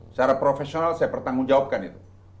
secara profesional saya bertanggung jawabkan itu